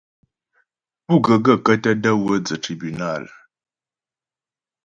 Pú ghə́ gaə̂kə́ tə də̀ wə́ dzə́ tribúnal ?